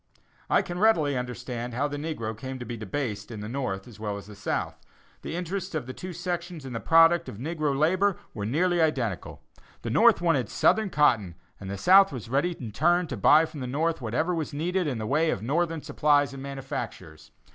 I can readily understand how the negro has come to be debased at the North as well as at the South. The interests of the two sections in the product of negro labor were nearly identical. The North wanted Southern cotton and the South was ready in turn to buy from the North whatever was needed in the way of Northern supplies and manufactures.